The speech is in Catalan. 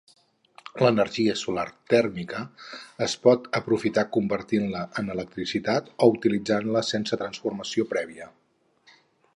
L'energia solar tèrmica es pot aprofitar convertint-la en electricitat o utilitzant-la sense transformació prèvia.